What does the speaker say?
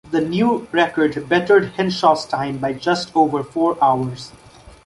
The new record bettered Henshaw's time by just over four hours.